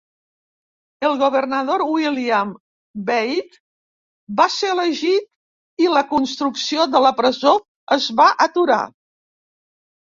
El governador William Weld va ser elegit i la construcció de la presó es va aturar.